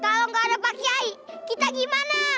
kalau gak ada pak kiayi kita gimana